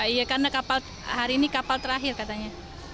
iya karena kapal hari ini kapal terakhir katanya